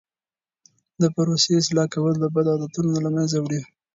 د پروسې اصلاح کول بد عادتونه له منځه وړي.